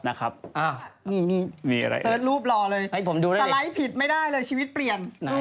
นี่เสิร์ชรูปรอเลยสไลด์ผิดไม่ได้เลยชีวิตเปลี่ยน